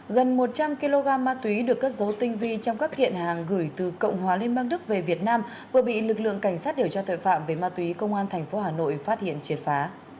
gần một trăm linh kg ma túy được cất dấu tinh vi trong các kiện hàng gửi từ cộng hòa liên bang đức về việt nam vừa bị lực lượng cảnh sát điều tra tội phạm về ma túy công an tp hà nội phát hiện triệt phá